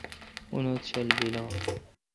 انت چل بیل ان